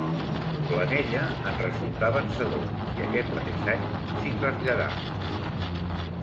Planella en resultà vencedor, i aquest mateix any s'hi traslladà.